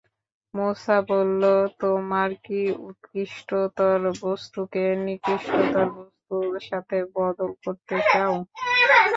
মূসা বলল, তোমরা কি উৎকৃষ্টতর বস্তুকে নিকৃষ্টতর বস্তুর সাথে বদল করতে চাও?